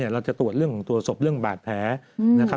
เราจะตรวจเรื่องของตัวศพเรื่องบาดแผลนะครับ